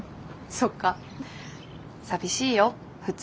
そっか寂しいよ普通に。